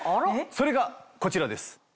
それがこちらです。